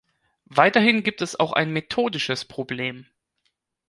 Weiterhin gibt es auch ein methodisches Problem.